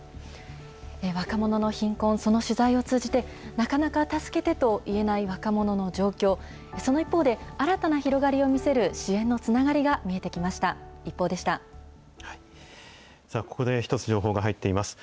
若者の貧困、その取材を通じて、なかなか助けてと言えない若者の状況、その一方で、新たな広がりを見せる支援のつながりが見えてきました。